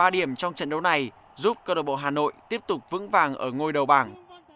ba điểm trong trận đấu này giúp cơ đội bộ hà nội tiếp tục vững vàng ở ngôi đầu bảng